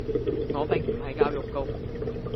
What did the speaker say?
我並唔係教育局